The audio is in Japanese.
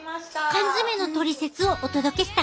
缶詰のトリセツをお届けしたご家族。